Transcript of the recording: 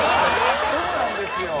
そうなんですよ。